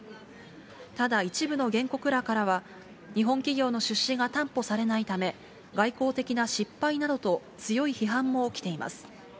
ただ、一部の原告らからは、日本企業の出資が担保されないため、外交的な失敗などと、強い批判も起きています。